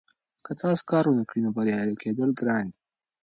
که تاسو کار ونکړئ نو بریالي کیدل ګران دي.